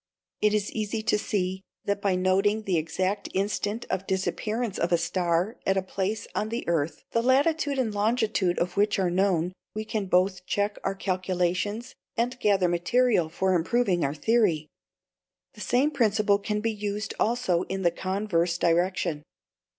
It is easy to see that by noting the exact instant of disappearance of a star at a place on the earth the latitude and longitude of which are known, we can both check our calculations and gather material for improving our theory. The same principle can be used also in the converse direction.